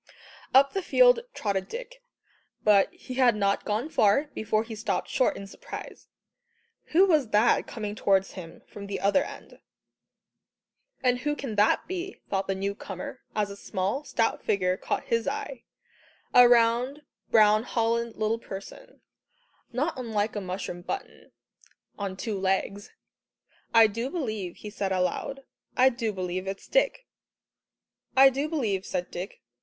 Up the field trotted Dick, but he had not gone far before he stopped short in surprise. Who was that coming towards him from the other end? And "who can that be?" thought the new comer, as a small, stout figure caught his eye a round, brown holland little person, not unlike a mushroom button on two legs. "I do believe," he said aloud, "I do believe it's Dick." "I do believe," said Dick.